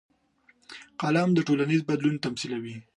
قلم د ټولنیز بدلون تمثیلوي